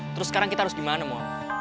terus sekarang kita harus gimana mau